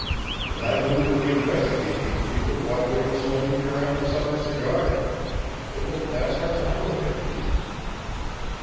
And I move that we investigate these people while we are smoking our after supper cigars. It will pass our time away, at least."